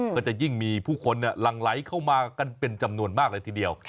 ก็จะยิ่งมีผู้คนหลั่งไหลเข้ามากันเป็นจำนวนมากเลยทีเดียว